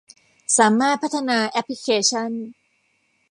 สามารถพัฒนาแอปพลิเคชัน